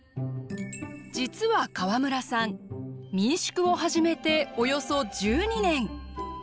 実は河村さん民宿を始めておよそ１２年。